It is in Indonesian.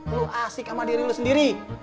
lo asik sama diri lu sendiri